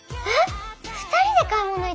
２人で買い物行ったの？